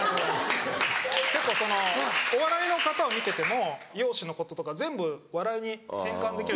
結構お笑いの方を見てても容姿のこととか全部笑いに転換できる。